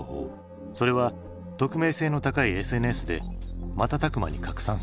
それは匿名性の高いＳＮＳで瞬く間に拡散される。